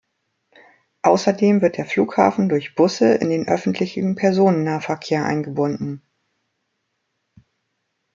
Außerdem wird der Flughafen durch Busse in den öffentlichen Personennahverkehr eingebunden.